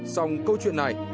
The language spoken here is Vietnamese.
xong câu chuyện này